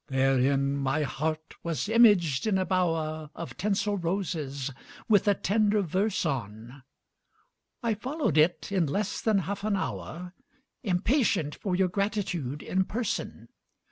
Therein my heart was imaged in a bower Of tinsel roses, with a tender verse on ; I followed it in less than half an hour Impatient for your gratitude in person.